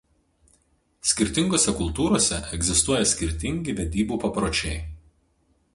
Skirtingose kultūrose egzistuoja skirtingi vedybų papročiai.